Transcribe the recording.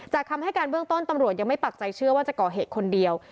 คำให้การเบื้องต้นตำรวจยังไม่ปักใจเชื่อว่าจะก่อเหตุคนเดียว